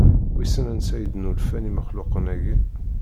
Wissen ansa i d-nulfan imexluqen-aki?